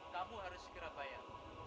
kamu harus segera bayar